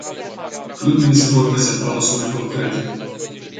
Când ni se vor prezenta măsuri concrete?